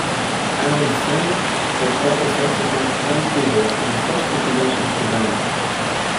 Aaron sang, played alto saxophone and keyboards in this first incarnation of the band.